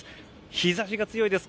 日差しが強いです。